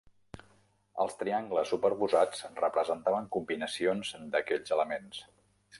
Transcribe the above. Els triangles superposats representaven combinacions d"aquells elements.